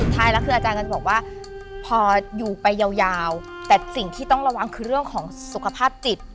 ใช่แล้วคืออาจารย์กันบอกว่าพออยู่ไปยาวแต่สิ่งที่ต้องระวังคือเรื่องของสุขภาพจิต